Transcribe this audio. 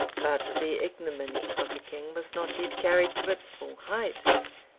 ] But the ignominy of the king was not yet carried to its full height.